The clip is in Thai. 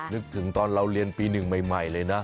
นึกถึงตอนเราเรียนปี๑ใหม่เลยนะ